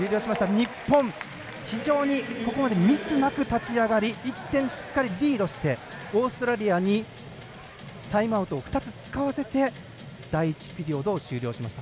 日本、非常にここまでミスなく立ち上がり、１点しっかりリードしてオーストラリアにタイムアウトを２つ使わせて第１ピリオドを終了しました。